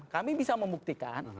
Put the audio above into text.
kami bisa membuktikan